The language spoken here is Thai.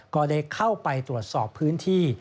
ก็ได้เข้าไปตรวจสอบพื้นที่